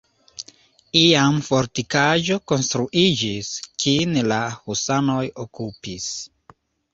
Iam fortikaĵo konstruiĝis, kin la husanoj okupis.